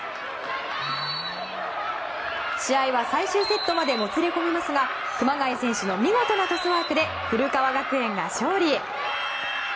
試合は最終セットまでもつれ込みますが熊谷選手の見事なトスワークで古川学園が勝利。